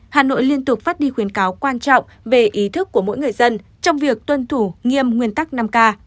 hà nội liên tục phát đi khuyến cáo quan trọng về ý thức của mỗi người dân trong việc tuân thủ nghiêm nguyên tắc năm k